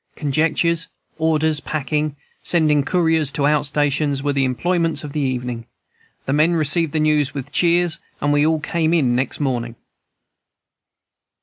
"Conjectures, orders, packing, sending couriers to out stations, were the employments of the evening; the men received the news with cheers, and we all came in next morning."